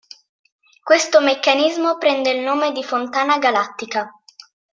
Questo meccanismo prende il nome di fontana galattica.